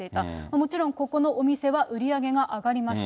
もちろん、ここのお店は売り上げが上がりました。